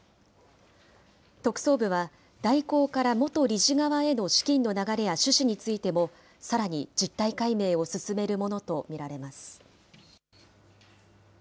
特捜部は、大広から元理事側への資金の流れや趣旨についても、さらに実態解明を進めるものと見られます。